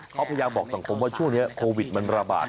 เขาพยายามบอกสังคมว่าช่วงนี้โควิดมันระบาด